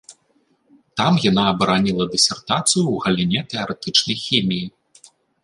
Там яна абараніла дысертацыю ў галіне тэарэтычнай хіміі.